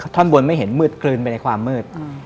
ท่อนบนไม่เห็นมืดกลืนไปในความมืด